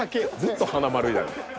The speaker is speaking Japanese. ずっと華丸やん。